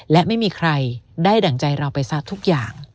และไม่มีใครได้ดั่งใจเราไปซะทุกอย่าง